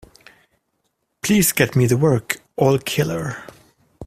Please get me the work, All Killer.